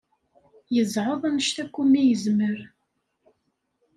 Yezɛeḍ anect akk umi yezmer.